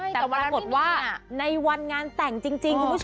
แต่ปรากฏว่าในวันงานแต่งจริงคุณผู้ชม